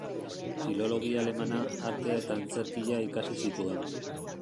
Filologia alemana, artea eta antzerkia ikasi zituen.